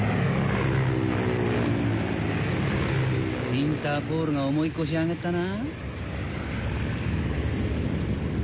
インターポールが重い腰をあげたな。